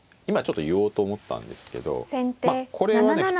今ちょっと言おうと思ったんですけどまあこれはね